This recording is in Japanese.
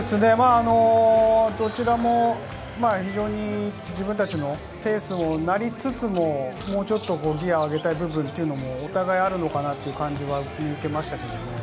どちらも非常に自分たちのペースとなりつつも、もうちょっとギアを上げたい部分というのもお互い、あるのかなという感じが見受けられました。